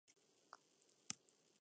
一緒にしよ♡